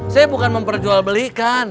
saya bukan memperjual belikan